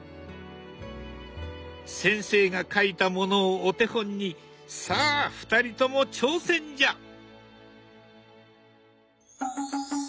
先生が描いたものをお手本にさあ２人とも挑戦じゃ！